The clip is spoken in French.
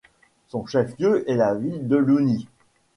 Son chef-lieu est la ville de Louny.